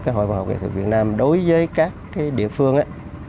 các hội văn học kỹ thuật việt nam đối với các địa phương á